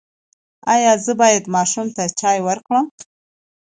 ایا زه باید ماشوم ته چای ورکړم؟